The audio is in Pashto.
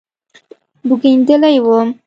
بوږنېدلى وم.